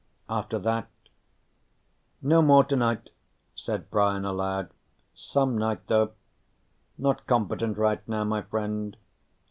After that "No more tonight," said Brian aloud. "Some night, though.... Not competent right now, my friend.